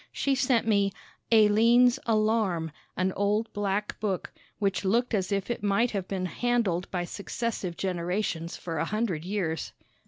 She sent me "Alleine's Alarm," an old black book, which looked as if it might have been handled by successive generations for a hundred years.